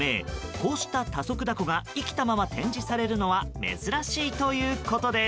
こうした多足ダコが生きたまま展示されるのは珍しいということです。